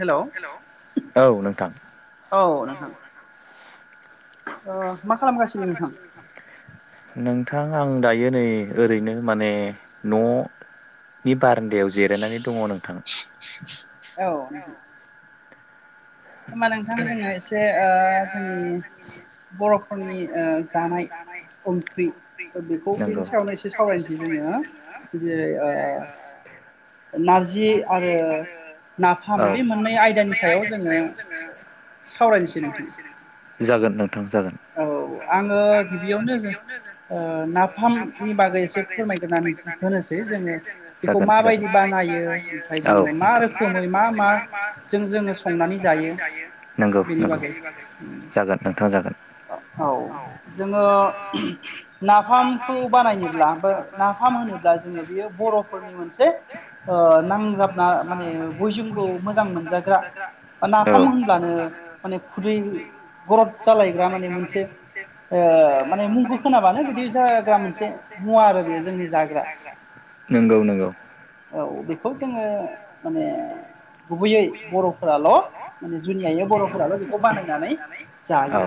Hello औ नोंथां ओ मा खालामगासिनो नोंथां नोंथां आं दायो नै ओरैनो माने ननि बारनडायाव जिरायनानै दङ नोंथां होमबा नोंथां जोङो एसे ओ जोंनि बरफोरनि जानाय ओंख्रि बेखौ बेनि सायावनो एसे सावरायनोसै जोङो जेरै ना नारजि आरो नाफाम बे मोननै आयदानि सायाव जोङो सावरायनोसै नोंथां जागोन औ आङो गिबियावनो ज नाफामनि बागै एसे फोरमायग्रानै होनोसै जोङो बेखौ माबायदि बानायो ओमफ्राय जोङो मा रोखोमै मा म जों जोङो संनानै जायो बेनि बागै औ जोङो नाफामखौ बानायनोब्ला बा नाफाम होनोब्ला जोंनि बेयो बरफोरनि मोनसे नांजाबना माने बयजोंबो मोजां मोनजाग्रा नाफाम होनब्लानो माने खुदै गरद जालाय मोनसे ओ माने मुंखौ खोनालबानो बिदि जाग्रा मुवा नंगौ नंगौ औ बेखौ जोङो माने गुबैयै बरफोराल माने जुनियै बरफोराल बेखौ बानायनानै जायो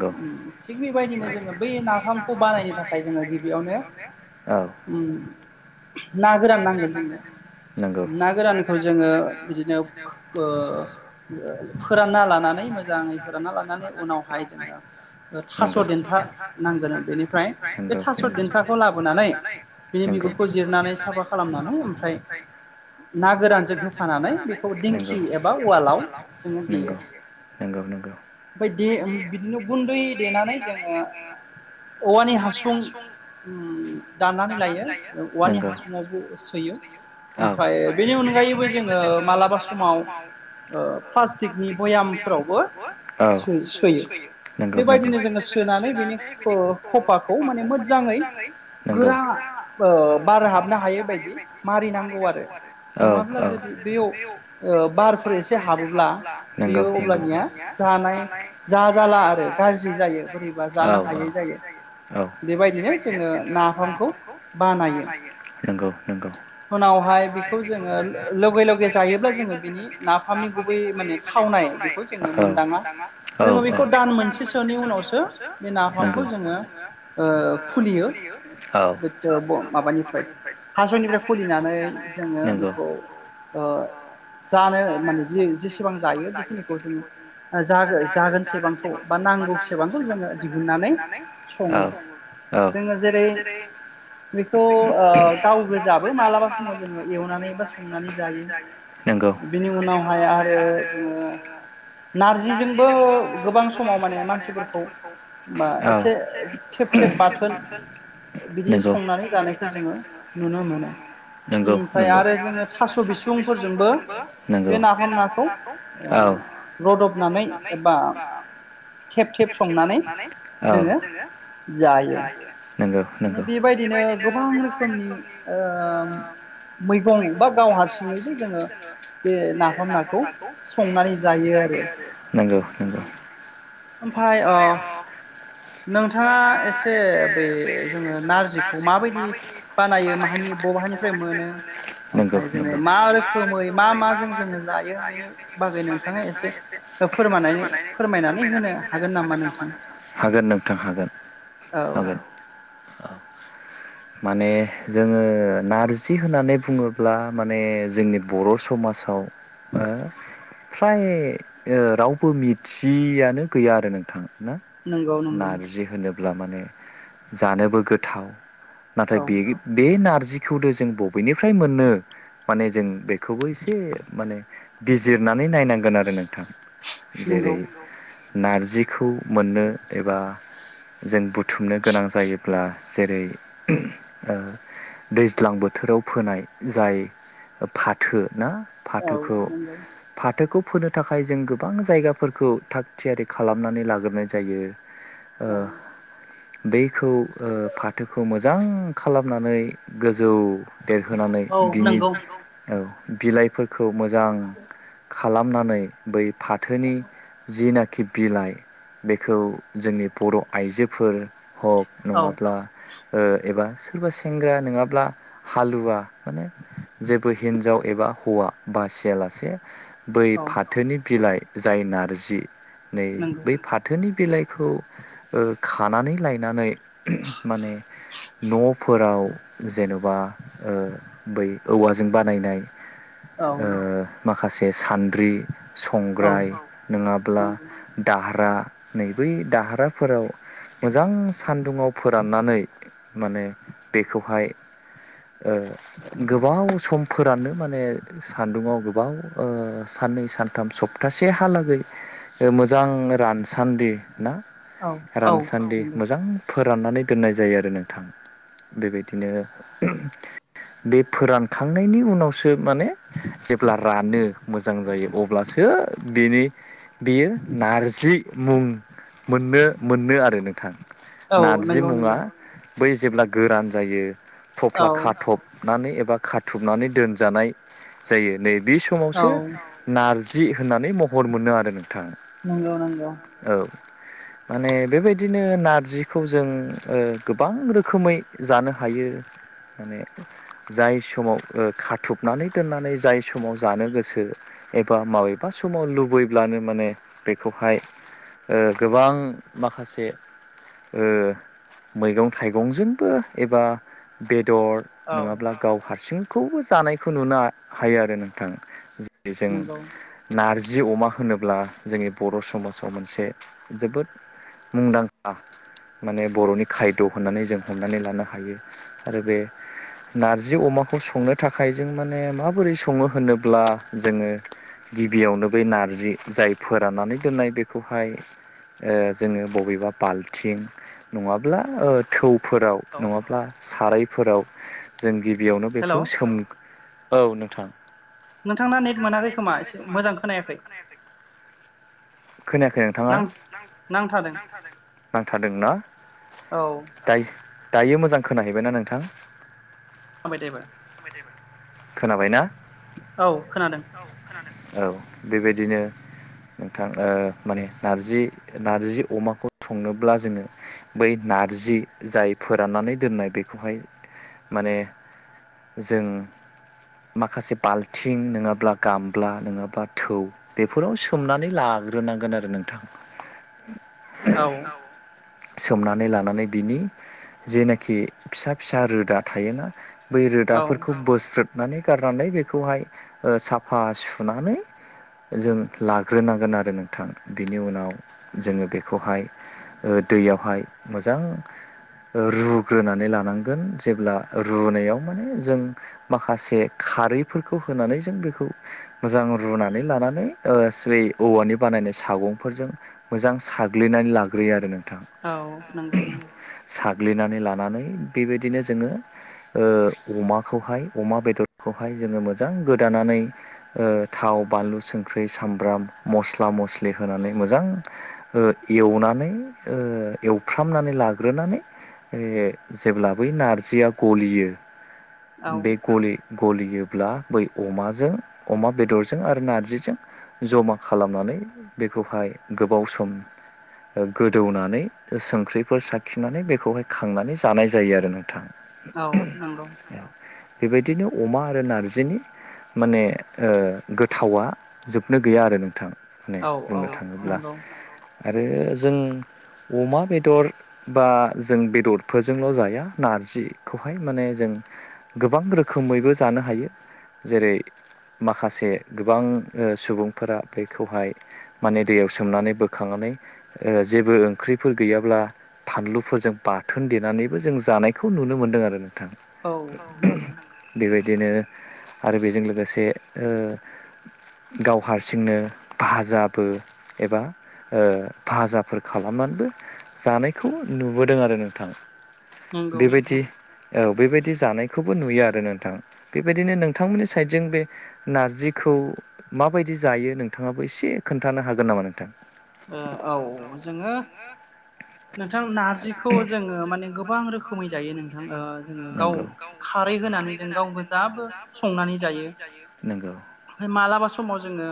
[inaudible] थिग बेबायदिनो जोङो बै नाफामखौ बानायनो थाखाय जोङो गिबियावनो ना गोरान नांगोन जोंनो ना गोरानखौ जोङो बिदिनो फोरानना लानानै मोजाङै फोराना लानानै उनाव बेहाय जोङो थास' देन्था नांगोन बेनिफ्राय बे थास' देन्थाखौ लाबोनानै बिनि बिगुरखौ जिरनानै साफा खालामनानै ओमफ्राय फ्राय ना गोरानजों होफानानै बेखौ दिंखि एबा उवालाव जोङो देयो नंगौ ओमफ्राय बिदिनो गुन्दै देनानै जोङो औवानि हासुं दाननानै लायो औवानि हासुङावबो सोयो। ओमफ्राय बेनि अनगायैबो जोङो मालाबा समाव प्लास्टिकनि भयामफोरावबो सोयो। बेबायदिनो जोङो सोनानै बेनि खफाखौ माने मोजाङै गोरा रां ओ बार हाबनो हायै बायदि मारि आरो नङाब्ला जुदि बेयाव ओ बारफोर एसे हाबोब्ला बेयो अब्लानिया जानाय ज जाला आरो गाज्रि जायो बोरैबा जानो हायै जायो बेबायदिनो जोङो नाम नंगौ नंगौ हन औ महाय बेखौ जोङो लगे लगे जायोब्ला जोङो बिनि नाफामनि गुबै माने थावनाय बेखौ जो मोना जो बे दान मोनसेसोनि उनावसो बे नाफामखौ जोङो खुलियो माबानिफ्राय हास'निफ्राय खुलिनानै जोङो बेखौ जानो माने जि जेसेबां जायो। बेखिनिखौ जों ज जागोन बेसेबांखौ बा नांगौ बेसेबांखौ जोङो दिहुननानै सङो जोङो जेरै बेखौ गावबो जाबो मालाबा समाव जोङो एवनानै बा संनानै जायो। बिनि उनावहाय आरो जोङो नारजिजोंबो गोबां समाव माने मानसिफोरखौ एसे थेब थेब बाथोन बिदि संनानै जानायखौ जोङो नुनो मोनो। ओमफ्राय आरो जोङो थास' बिसुंफोरजोंबो बे नाफाम नाखौ रदबनानै एबा थेब थेब संनानै जोङो जायो। माने बेबायदिनो गोबां रोखोमनि मैगं बा गाव हारसिङैबो जोङो बे ना हामाखौ संनानै जायो। नांगौ नांगौ ओमफ्राय अ नोंथाङा एसे बे जोङो नारजिखौ माबायदि बानायो माहानि बेहानिफ्राय मोनो नंगौ नंगौ जोङो मा रोखोमै मा मा जों जोङो जायो बेनि बागै नोंथाङा एसे फोर फोरमायनानै होनो हागोन नामा नोंथां? हागोन नों थां हागोन हागोन औ माने जोङो नारजि थि होननानै बुङोब्ला माने जोंनि बर' समाजाव फ्राय रावबो मिथियानो गैया आरो नोंथाङा। ना नारजि होनोब्ला माने जानोबो गोथाव नाथाय बे बे नारजिखौनो जों बबेनिफ्राय मोनो माने जों बे खौबो एसे माने बिजिर नाय नांगोन आरो नोंथां जै खौ मोननो एबा जों बुथुमनो गोनां जायोब्ला जेरै दैज्लां बोथोर बोथोराव फोनाय जाय फाथो ना फाथोखौ फाथोखौ फोनो थाखाय जों गोबां जायगाफोरखौ थाग थियारि खालामनानै लाग्रोनाय जायो। औ दैखौ फाथोखौ मोजां खालामनानै गोजौ देरहोनानै बिनि बिलाइफोरखौ मोजां खालामनानै बै फाथोनि जिनाखि बिलाइ बेखौ जोंनि बर' आइजोफोर हक नङाब्ला एबा सोरबा सेंग्रा नङाब्ला हालुवा माने जेबो हिन्जाव एबा हौवा बासियालासे बै फाथोनि बिलाइ जाय नारजि नै बै फाथोनि बिलाइखौ खानानै लायनानै माने न'फोराव जेन'बा बै औवाजों बानायनाय माखासे बे सान्द्रि संग्राय नङाब्ला दारहा नै बै दाहाराफोराव मोजां सान्दुङाव फोराननानै माने बेखौहाय ओ गोबाव सम फोराननो माने सान्दुङाव गोबाव ओ साननै सानथाम सप्तासेहालागै ओ मोजां रानसान्दि ना रानसान्दि मोजां फोराननानै दोननाय जायो आरो नोंथां। बेबायदिनो बे फोरानखांनायनि उनावसो माने जेब्ला रानो मोजां जायो अब्लासो बेनि बेयो नारजि मुं मोननो मोनो आरो नोंथां। नारजि मुङा बै जेब्ला गोरान जायो थफ्ला खाथबनानै ए बा खाथुबनानै दोनजानाय जायो नै बे समावसो नारजि होननानै महर मोनो आरो नोंथाङा औ [inaudible] माने बेबायदिनो नारजिखौ जों ओ गोबां रोखोमै जानो हायो माने जाय समाव ओ खाथुबनानै दोननानै जाय समाव जानो गोसो एबा माबेबा समाव लुबैब्लानो माने बेखौहाय ओ गोबां माखासे ओ मैगं थाइगंजोंबो एबा बे बेदर नङाब्ला गाव हारसिंखौबो जानायखौ नुनो हायो आरो नोंथां। जों नारजि जि अमा होनोब्ला जोंनि बर' समाजाव मोनसे जोबोद मुंदांखा माने बर'नि खायद' होननानै जों हमनानै लानो हायो। आरो बे नारजि अमाखौ संनो थाखाय जों माने माबोरै सङो होनोब्ला जोङो गिबियावनो बै नारजि जाय फोराननानै दोननाय बेखौहाय ओ जोङो बबेबा बाल्थिं नङाब्ला ओ थौ फोराव नङाब्ला सारायफोराव जों गिबियावनो बेखौ सोम औ नोंथां नोंथांना नेट मोनाखै खोमा एसे मोजां खोनायाखै नां नांथादों नांथारदों ना दायो दायो मोजां खोनाहैबायना नोंथां? खामायदो एबार खोनाबाय ना? औ खोनादों। औ बेबायदिनो नोंथां ओ माने नारजि नारजि अमाखौ संनोब्ला जोङो बै नारजि जाय फोराननानै दोननाय बेखौहाय माने जों माखासे बाल्थिं नोङाब्ला गामब्ला ब्ला नोङाबा थौ बेफोराव सोमनानै लाग्रोनांगोन आरो नोंथां औ सोमनानै लानानै बिनि जेनाखि फिसा फिसा रोदा थायोना बै रोदाफोरखौ बोस्रोबनानै गारनानै बेखौहाय साफा ओ साफा सुनानै जों लाग्रोनांगोन आरो नोंथां बिनि उनाव जोङो बेखौहाय ओ दैयावहाय मोजां ओणरुग्रोनानै लानांगोन जेब्ला रुनायाव माने जों माखासे खारैफोरखौ होनानै जों बेखौ मोजां रुनानै लानानै औवानि बानायनाय सागंफोरजों मोजां सा साग्लिनानै लाग्रोयो आरो नों औ नंगौ नंगौ ग्लिनानै लानानै बेबायदिनो जोङो अमाखौहाय अमा बेदरखौहाय जोङो मोजां गोदानानै ओ थाव बानलु संख्रि सामब्राम मस्ला मस्लि होनानै मोजां ओ एवनानै एवफ्रामनानै लाग्रोनानै जेब्ला बै नारजिया गलियो बे गलि गलियोब्ला बै अमाजों अमा बेदरजों आरो नारजिजों जमा खालामनानै बेखौहाय गोबाव सम गोदौनानै संख्रिफोर साखिनानै बेखौहाय खांनानै जानाय जायो आरो नोंथां औ नंगौ बेबायदिनो अमा आरो नारजिनि माने ओ गोथावा जोबनो गैया आरो नोंथां माने बुंनो थाङोब्ला आरो जों अमा बेदर बा जों बेदरफोरजोंल' जाया नारजिखौहाय माने जों गोबां रोखोमैबो जानो हायो जेरै माखासे गोबां सुबुंफोरा बैखौहाय माने दैयाव सोमनानै बोखांनानै ओ जेबो ओंख्रिफोर गैयाब्ला फानलुफोरजों बाथोन देनानैबो जों जानायखौ नुनो मोन्दों आरो थां बेबायदिनो आरो बेजों लोगोसे ओ गाव हारसिंनो भाजाबो एबा ओ भाजाफोर खालामनानैबो जानायखौ नुबोदों आरो नोंथां नोंंगौ औ बेबायदि जानायखौबो नुयो आरो नोंथां बेबायदिनो नोंथांमोननि साइडजों बे नारजिखौ माबायदि जायो नोंथाङाबो एसे खोन्थानो हागोन नामा नोंथां औ जोङो नोंथां नारजिखौ जोङो माने गोबां रोखोमै जायो नोंथां ओ जोङो गाव खारै होनानै जों गाव गोजाबो संनानै जायो ओमफ्राय मालाबा समाव जोङो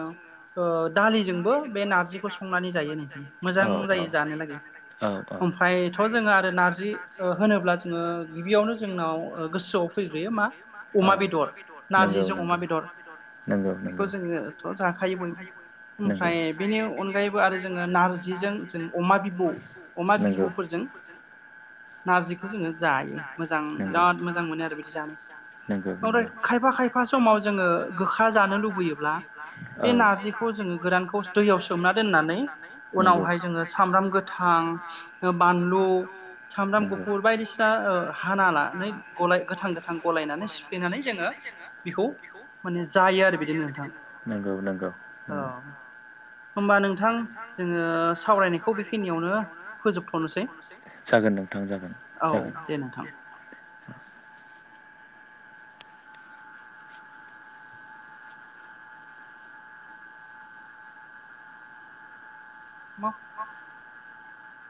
ओ दालिजोंबो बे नारजिखौ संनानै जायो नों मोजां जायो जानो लागै ओमफ्रायथ' जोङो आरो नारजि होनोब्ला जोङो गिबियावनो जोंनाव गोसोआव फैग्रोयो मा अमा बेदर नारजिजों अमा बेदर बेखौ जोङोथ' जाखायो बयबो ओमफ्राय बेनि अन गायैबो आरो जोङो नारजिजों जों अमा बिबु अमा बिबुफोरजों नारजिखौ जों जायो नंगौ बिराद‌ मोजां मोनो नंगौ नंगौ खायफा खायफा समाव जोङो गोखा जानो लुबैयोब्ला औ बे नारजिखौ जोङो गोरानखौ सोमना दोननानै उनावहाय जोङो सामब्राम गोथां बानलु सामब्राम गुफुर बायदिसिना हाना लानानै गलाय गोथां गोथां गलायनानै सिफ्लेनानै जोङो बेखौ माने जायो आरो बिदिनो नोंथां। औ नोंथां जोङो सावरायनायखौ बेखिनियावनो फोजोबथ'नोसै औ दे नोंथां। औ मा